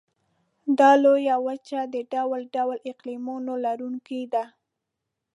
دا لویه وچه د ډول ډول اقلیمونو لرونکې ده.